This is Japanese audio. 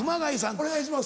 お願いします。